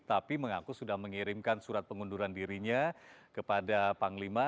tapi mengaku sudah mengirimkan surat pengunduran dirinya kepada panglima